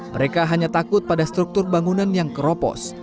mereka hanya takut pada struktur bangunan yang keropos